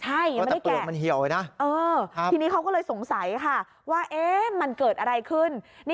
ใช่ไม่ได้แกะทีนี้เขาก็เลยสงสัยค่ะว่ามันเกิดอะไรขึ้น